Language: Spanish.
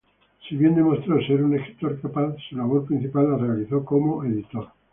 Si bien demostró ser un escritor capaz, su labor principal la realizó como editor.